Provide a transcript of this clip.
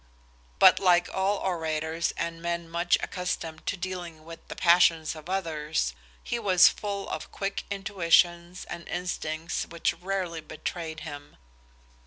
But like all orators and men much accustomed to dealing with the passions of others, he was full of quick intuitions and instincts which rarely betrayed him.